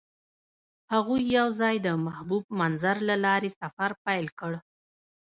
هغوی یوځای د محبوب منظر له لارې سفر پیل کړ.